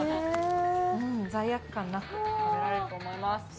罪悪感なく食べられると思います。